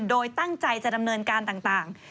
โดยตั้งใจจะดำเนินการต่าง